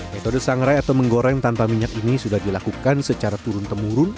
metode sangrai atau menggoreng tanpa minyak ini sudah dilakukan secara turun temurun